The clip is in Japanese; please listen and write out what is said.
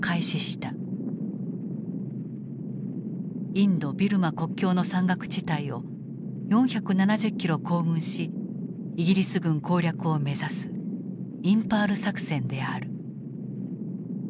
インド・ビルマ国境の山岳地帯を４７０キロ行軍しイギリス軍攻略を目指すインパール作戦である。